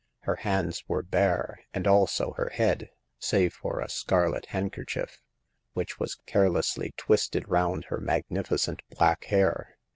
Her hands were bare, and also her head, save for a scarlet hand kerchief, which was carelessly twisted round her magnificent black hair.